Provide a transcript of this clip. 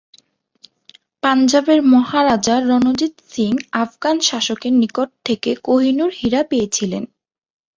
পাঞ্জাবের মহারাজা রণজিৎ সিং আফগান শাসকের নিকট থেকে কোহিনূর হীরা পেয়েছিলেন।